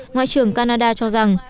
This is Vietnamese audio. ngoại trưởng canada cho rằng